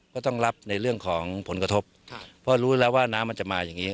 ก็ต้องรับในเรื่องของผลกระทบเพราะรู้แล้วว่าน้ำมันจะมาอย่างนี้